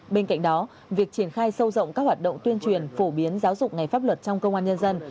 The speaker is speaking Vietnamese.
bên cạnh đó việc triển khai sâu rộng các hoạt động tuyên truyền phổ biến giáo dục ngày pháp luật trong công an nhân dân